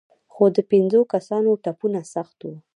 خو د پېنځو کسانو ټپونه سخت وو.